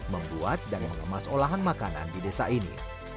membuat dan mengemas olahan makanan di desa ini